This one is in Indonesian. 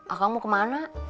akang mau kemana